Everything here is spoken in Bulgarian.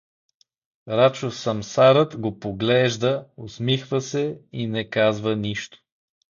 Рачо Самсарът го поглежда, усмихва се и не казва нищо.